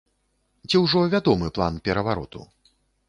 Ці ўжо вядомы план перавароту?